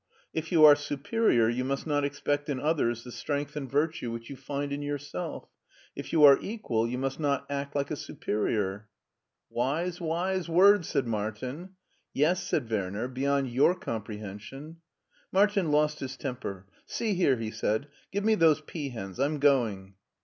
If you are superior you must not expect in others the strength and virtue which you find in yourself; if you are equal you must not act like a superior.'* " Wise, wise words !'* said Martin. " Yes,*' said Werner, " beyond your comprehension.*' Martin lost his temper. " See here," he said, " give me those peahens. I'm going."